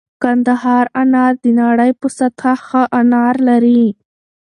کندهار انار د نړۍ په سطحه ښه انار لري